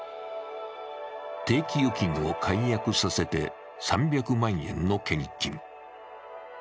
定期預金を解約させて３００万円の献金。